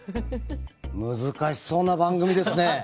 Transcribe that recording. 難しそうな番組ですね。